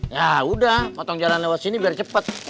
ya udah potong jalan lewat sini biar cepat